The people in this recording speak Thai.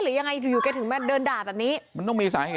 หรือยังไงอยู่แกถึงเดินด่าแบบนี้